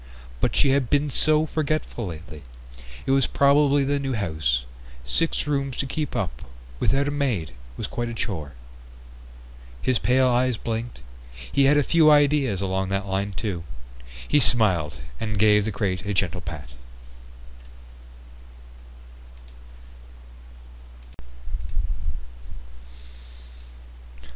But she had been so forgetful lately. It was probably the new house; six rooms to keep up without a maid was quite a chore. His pale eyes blinked. He had a few ideas along that line too. He smiled and gave the crate a gentle pat.